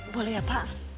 boleh ya pak